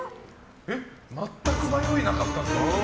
全く迷いなかったぞ。